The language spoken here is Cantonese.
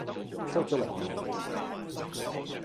出左糧未?